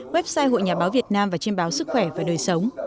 website hội nhà báo việt nam và trên báo sức khỏe và đời sống